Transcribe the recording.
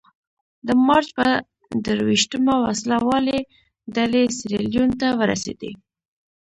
د مارچ په درویشتمه وسله والې ډلې سیریلیون ته ورسېدې.